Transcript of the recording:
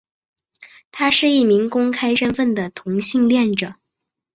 他是一名公开身份的同性恋者。